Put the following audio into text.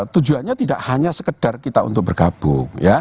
tujuannya tidak hanya sekedar kita untuk bergabung